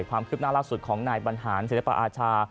ความคืบหน้าล่าสุดของนายบรรหารศิลปอาชา